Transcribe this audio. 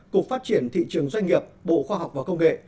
cục phát triển thị trường doanh nghiệp bộ khoa học và công nghệ